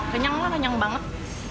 kenyang lah kenyang banget